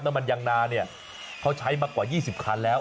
น้ำมันยางนาเนี่ยเขาใช้มากว่า๒๐คันแล้ว